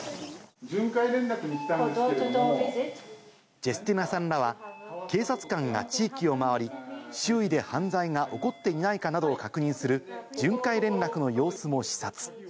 ジェスティナさんらは警察官が地域を回り、周囲で犯罪が起こっていないかなどを確認する、巡回連絡の様子も視察。